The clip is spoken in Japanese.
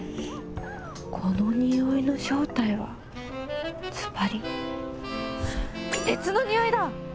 このにおいのしょうたいはずばりてつのにおいだ！